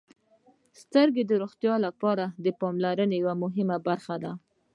• سترګې د روغتیا لپاره د پاملرنې یوه مهمه برخه ده.